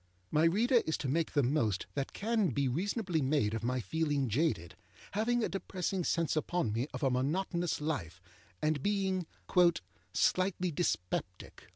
My reader is to make the most that can be reasonably made of my feeling jaded, having a depressing sense upon me of a monotonous life, and being âslightly dyspeptic.